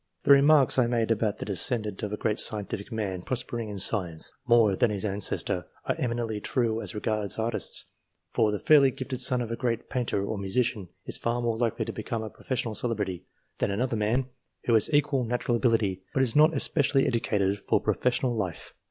The remarks I made about the de scendant of a great scientific man prospering in science, more than his ancestor, are eminently true as regards Artists, for the fairly gifted son of a great painter or musician is farmore likely to become a professional celebrity, than another man who has equal natural ability, but is not especially educated for professional life.